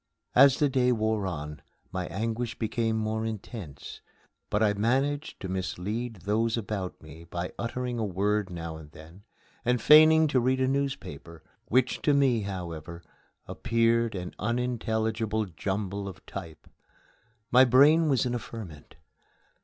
As the day wore on, my anguish became more intense, but I managed to mislead those about me by uttering a word now and then, and feigning to read a newspaper, which to me, however, appeared an unintelligible jumble of type. My brain was in a ferment.